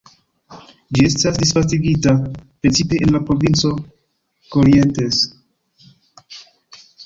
Ĝi esta disvastigita precipe en la provinco Corrientes.